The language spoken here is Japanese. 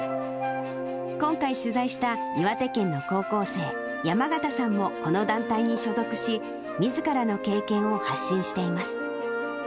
今回、取材した岩手県の高校生、山形さんもこの団体に所属し、みずからの経験を発信しています。